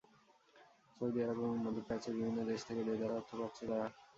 Saudi Arab এবং মধ্যপ্রাচ্যের বিভিন্ন দেশ থেকে দেদার অর্থ পাচ্ছে তারা।